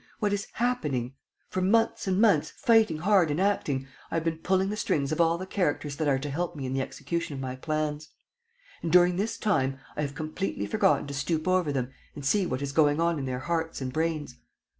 What is happening? For months and months, fighting hard and acting, I have been pulling the strings of all the characters that are to help me in the execution of my plans; and, during this time, I have completely forgotten to stoop over them and see what is going on in their hearts and brains.